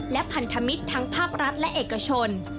และพันธมิตรทั้งภาครัฐและเอกชน